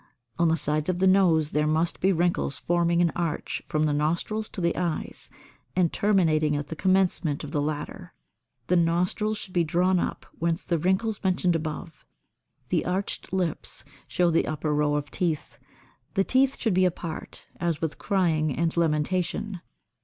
On the sides of the nose there must be wrinkles forming an arch from the nostrils to the eyes and terminating at the commencement of the latter; the nostrils should be drawn up, whence the wrinkles mentioned above; the arched lips show the upper row of teeth. The teeth should be apart, as with crying and lamentation.